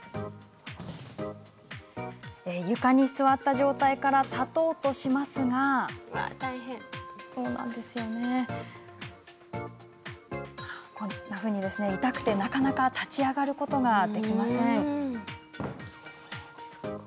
床に座った状態から立とうとしますが痛くてなかなか立ち上がることができません。